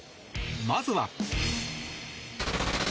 まずは。